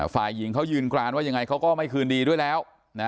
ฝ่ายหญิงเขายืนกรานว่ายังไงเขาก็ไม่คืนดีด้วยแล้ว